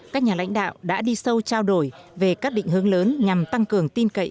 các nhà lãnh đạo đã đi sâu trao đổi về các định hướng lớn nhằm tăng cường tin cậy